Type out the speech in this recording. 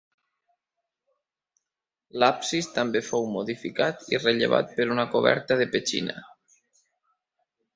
L’absis també fou modificat i rellevat per una coberta de petxina.